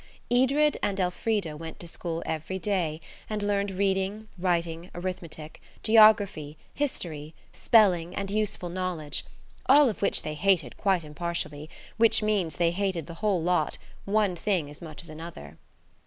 Edred and Elfrida went to school every day and learned reading, writing, arithmetic, geography, history, spelling, and useful knowledge, all of which they hated quite impartially, which means they hated the whole lot–one thing as much as another.